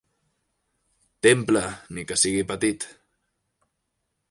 Temple, ni que sigui petit.